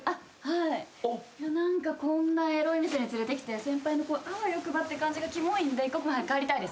いや何かこんなエロい店に連れてきて先輩のあわよくばって感じがキモいんで一刻も早く帰りたいです。